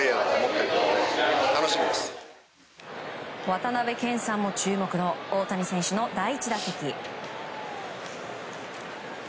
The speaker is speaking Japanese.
渡辺謙さんも注目の大谷選手の第１打席。